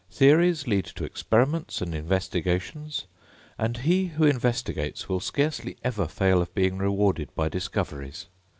Theories lead to experiments and investigations; and he who investigates will scarcely ever fail of being rewarded by discoveries.